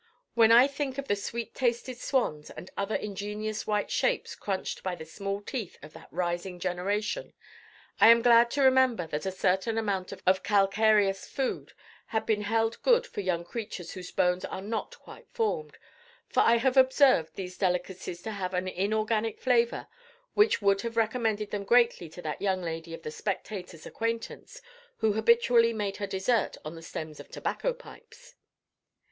When I think of the sweet tasted swans and other ingenious white shapes crunched by the small teeth of that rising generation, I am glad to remember that a certain amount of calcareous food has been held good for young creatures whose bones are not quite formed; for I have observed these delicacies to have an inorganic flavour which would have recommended them greatly to that young lady of the Spectator's acquaintance who habitually made her dessert on the stems of tobacco pipes.